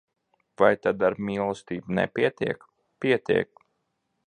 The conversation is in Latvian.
Vai tad ar mīlestību nepietiek? Pietiek!